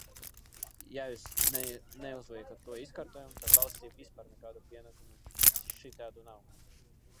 Ja jūs neuzliekat to izkārtojumu, tad valstī vispār nekādu pienākumu šitādu nav.